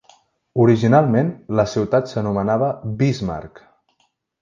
Originalment, la ciutat s'anomenava Bismarck.